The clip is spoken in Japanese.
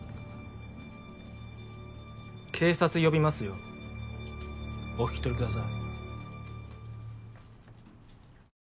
警察呼びますよお引き取りください。